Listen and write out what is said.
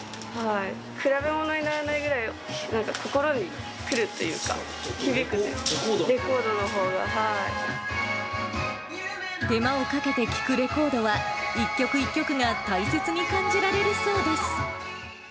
比べものにならないくらい、なんか心にくるというか、手間をかけて聴くレコードは、一曲一曲が大切に感じられるそうです。